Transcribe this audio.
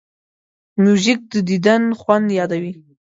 موزیک د دیدن خوند یادوي.